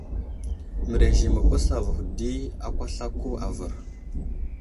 Mərez i məɓəs avuhw di akwaslako avər.